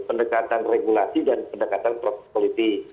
pendekatan regulasi dan pendekatan politik